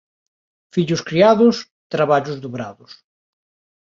Fillos criados, traballos dobrados.